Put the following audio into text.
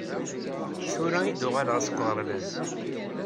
Tura i d-uɣaleɣ seg uɣerbaz.